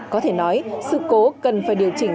có thể nói sự cố cần phải điều chỉnh